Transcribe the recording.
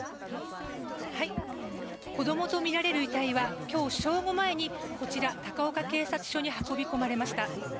子どもとみられる遺体は今日正午前にこちら、高岡警察署に運び込まれました。